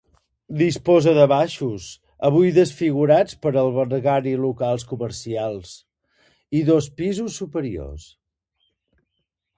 Disposa de baixos, avui desfigurats per albergar-hi locals comercials, i dos pisos superiors.